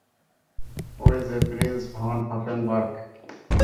ঐ যে prince von Hoffenberg.